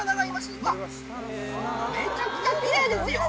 うわっ、めちゃくちゃきれいですよ。